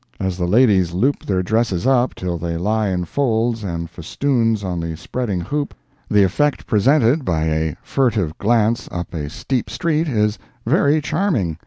As the ladies loop their dresses up till they lie in folds and festoons on the spreading hoop, the effect presented by a furtive glance up a steep street is very charming.